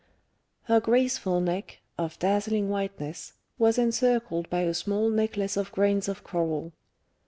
Her graceful neck, of dazzling whiteness, was encircled by a small necklace of grains of coral.